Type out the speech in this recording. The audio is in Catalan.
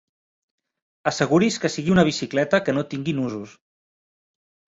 Asseguri's que sigui una bicicleta que no tingui nusos.